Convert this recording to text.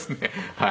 はい。